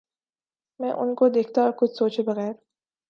میں ان کو دیکھتا اور کچھ سوچے بغیر